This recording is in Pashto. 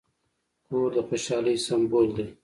کور د خوشحالۍ سمبول دی.